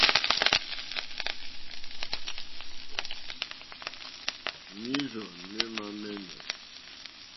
Mǐrzɔ̀ mémá mɛ́nɛ̌.